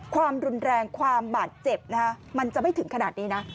ความรุนแรงความบาดเจ็บมันจะไม่ถึงขนาดนี้นะ